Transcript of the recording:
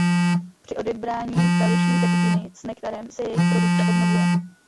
Při odebrání kališní tekutiny s nektarem se jejich produkce obnovuje.